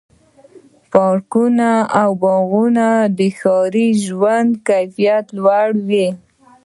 پارکونه او باغونه د ښاري ژوند کیفیت لوړوي.